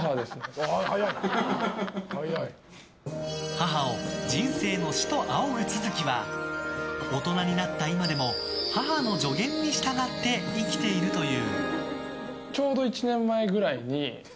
母を人生の師と仰ぐ都築は大人になった今でも母の助言に従って生きているという。